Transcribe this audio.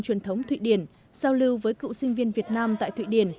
truyền thống thụy điển giao lưu với cựu sinh viên việt nam tại thụy điển